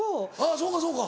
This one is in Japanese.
そうかそうか。